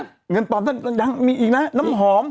เงินปลอมท่านยังมีอีกนะน้ำหอม